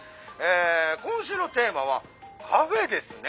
今週のテーマは『カフェ』ですね」。